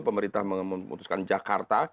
pemerintah memutuskan jakarta